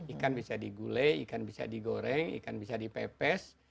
ikan bisa digulai ikan bisa digoreng ikan bisa dipepes